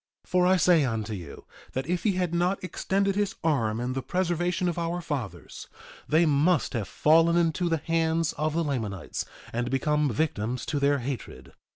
1:14 For I say unto you, that if he had not extended his arm in the preservation of our fathers they must have fallen into the hands of the Lamanites, and become victims to their hatred.